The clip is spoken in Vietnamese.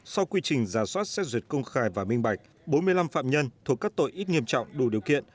sau quy trình giả soát xét duyệt công khai và minh bạch bốn mươi năm phạm nhân thuộc các tội ít nghiêm trọng đủ điều kiện